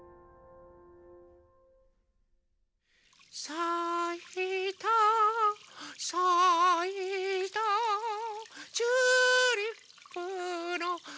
「さいたさいたチューリップのはなが」